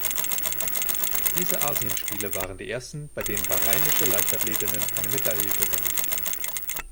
Diese Asienspiele waren die ersten, bei denen bahrainische Leichtathletinnen eine Medaille gewannen.